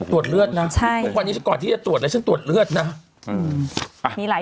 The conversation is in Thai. ตรวจเลือดนะวันนี้ก่อนที่จะตรวจเลยฉันตรวจเลือดนะ